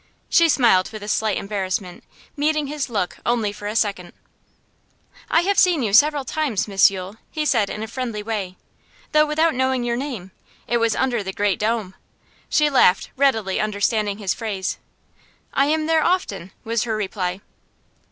She smiled with a slight embarrassment, meeting his look only for a second. 'I have seen you several times, Miss Yule,' he said in a friendly way, 'though without knowing your name. It was under the great dome.' She laughed, readily understanding his phrase. 'I am there very often,' was her reply.